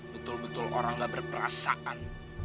betul betul orang gak berperasaan